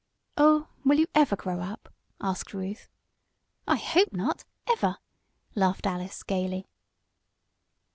"Oh, will you ever grow up?" asked Ruth. "I hope not ever!" laughed Alice, gaily.